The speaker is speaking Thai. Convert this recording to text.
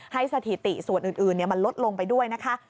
สถิติส่วนอื่นมันลดลงไปด้วยนะคะ